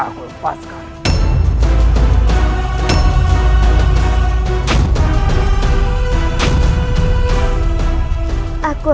cepat lepaskan nyi iroh